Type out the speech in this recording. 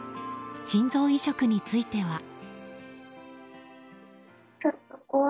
心臓移植については。